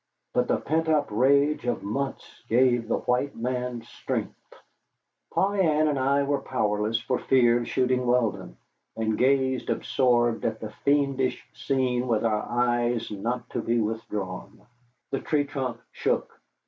But the pent up rage of months gave the white man strength. Polly Ann and I were powerless for fear of shooting Weldon, and gazed absorbed at the fiendish scene with eyes not to be withdrawn. The tree trunk shook.